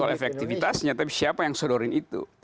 bukan soal efektifitasnya tapi siapa yang sodorin itu